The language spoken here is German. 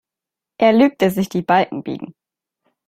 Er lügt, dass sich die Balken biegen.